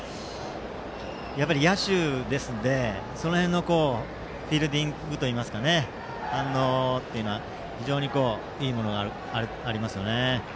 野手ですのでその辺のフィールディングというか反応というのは非常にいいものがありますね。